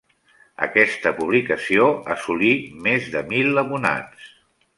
Aquesta publicació assolí més de mil abonats.